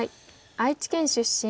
愛知県出身。